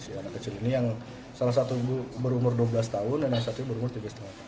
si anak kecil ini yang salah satu berumur dua belas tahun dan yang satu berumur tiga lima tahun